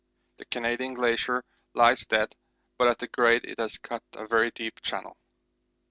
The Canadian Glacier lies dead, but at 'grade' it has cut a very deep channel.